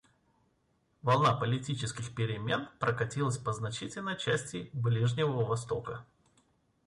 Волна политических перемен прокатилась по значительной части Ближнего Востока.